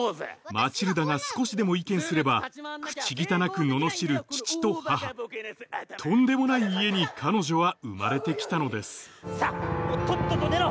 マチルダが少しでも意見すれば口汚く罵る父と母とんでもない家に彼女は生まれてきたのですとっとと寝ろ！